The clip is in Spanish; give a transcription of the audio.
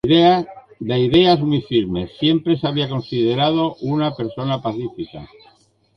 De ideas muy firmes, siempre se había considerado una persona pacífica.